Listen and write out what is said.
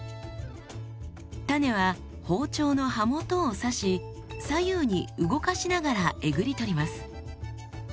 種は包丁の刃元を刺し左右に動かしながらえぐり取ります。